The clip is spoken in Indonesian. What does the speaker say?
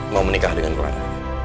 mau menikah dengan rana